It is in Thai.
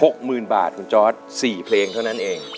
คุณจอร์ท๖๐๐๐๐บาทโดย๔เพลงเท่านั้นเอง